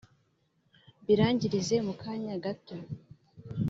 Mbirangirize mu kanya gato